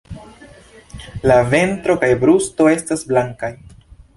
La ventro kaj brusto estas blankaj.